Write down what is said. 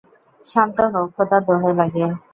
শান্ত হও, খোদার দোহাই লাগে!